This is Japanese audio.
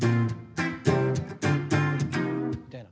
みたいな。